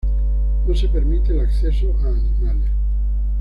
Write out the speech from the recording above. No se permite el acceso a animales.